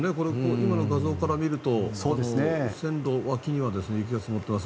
今の画像から見ると線路脇には雪が積もっています。